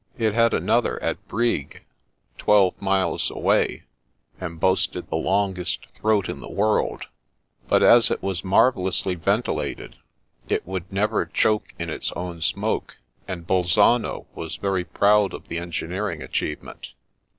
It had another at Brig, twelve miles away, and boasted the longest throat in the world, but as it was marvellously ventilated, it would never choke in its own smoke, and Bolzano was very proud of the engfineering achievement.